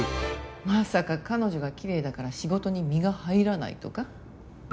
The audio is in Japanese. まさか彼女がきれいだから仕事に身が入らないとか？